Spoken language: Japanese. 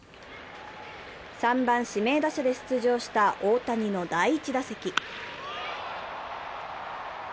３番・指名打者で出場した大谷の第１打席。